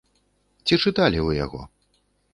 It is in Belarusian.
Ці чыталі вы яго?